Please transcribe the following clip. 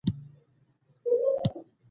انګور د افغانستان په امنیت هم خپل اغېز لري.